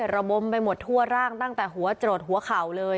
รบมไปทั่วร่างตั้งแต่จะหลดหัวเข่า